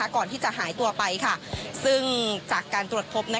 ก่อนที่จะหายตัวไปซึ่งจากการตรวจพบ